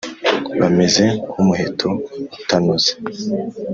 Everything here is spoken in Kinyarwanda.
bameze nk’umuheto utanoze.